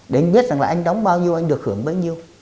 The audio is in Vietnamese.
để anh biết rằng là anh đóng bao nhiêu anh được hưởng bao nhiêu